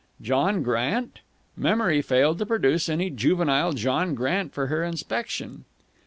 John Grant? Memory failed to produce any juvenile John Grant for her inspection.